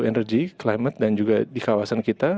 energy climate dan juga di kawasan kita